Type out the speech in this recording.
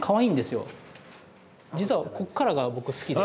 実はこっからが僕好きで。